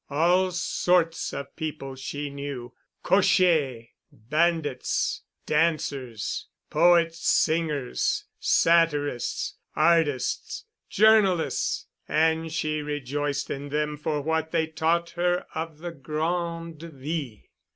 All sorts of people she knew—cochers, bandits, dancers, poet singers, satirists, artists, journalists, and she rejoiced in them for what they taught her of the grande vie.